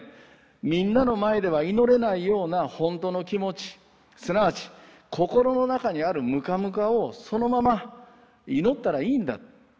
みんなの前では祈れないようなほんとの気持ちすなわち心の中にあるムカムカをそのまま祈ったらいいんだ。